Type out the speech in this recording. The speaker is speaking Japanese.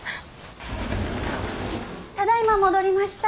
ただいま戻りました。